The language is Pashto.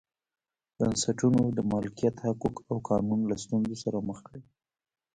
بنسټونو د مالکیت حقوق او قانون له ستونزو سره مخ کړي.